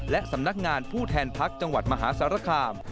และสำนักงานผู้แทนพักจังหวัดมหาสารคาม